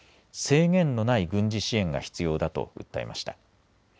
制限のない軍事支援が必要だと訴えました。